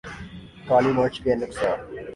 کالی مرچ کے نقصا